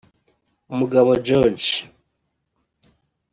Mugabo George